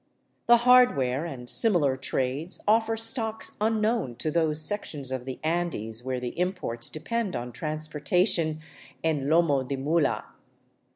The hardware and similar trades offer stocks unknown to those sections of the Andes where the imports depend on transportation " en lomo de mula."